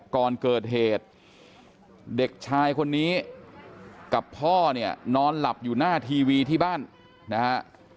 ก่อนเกิดเหตุเด็กชายคนนี้กับพ่อเนี่ยนอนหลับอยู่หน้าทีวีที่บ้านนะฮะ